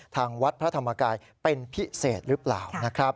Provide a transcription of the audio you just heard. ทางวัดพระธรรมกายเป็นพิเศษหรือเปล่านะครับ